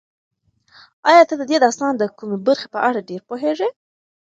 ایا ته د دې داستان د کومې برخې په اړه ډېر پوهېږې؟